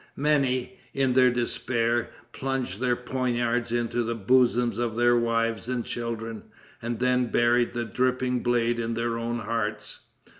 Many, in their despair, plunged their poignards into the bosoms of their wives and children, and then buried the dripping blade in their own hearts.